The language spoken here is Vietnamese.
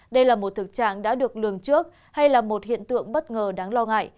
đây là một thực trạng đã được lường trước hay là một hiện tượng bất ngờ đáng lo ngại